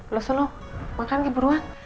lo sunuh makan nih buruan